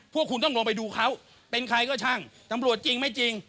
พวกคุณต้องลงไปดูเขาเป็นใครก็ช่างตำรวจจริงไม่จริง